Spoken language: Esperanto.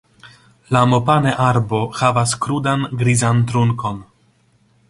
La mopane-arbo havas krudan, grizan trunkon.